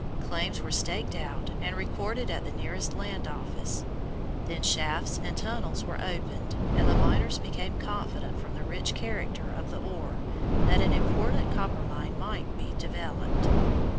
Claims were staked out and recorded at the nearest land office. Then shafts and tunnels were opened, and the miners became confident from the rich character of the ore that an important copper mine might be developed.